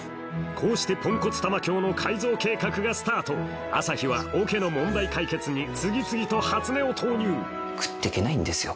こうしてポンコツ玉響の改造計画がスタート朝陽はオケの問題解決に次々と初音を投入食っていけないんですよ